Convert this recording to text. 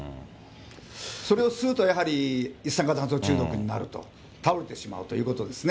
それを吸うとやはり一酸化炭素中毒になると、倒れてしまうということですね。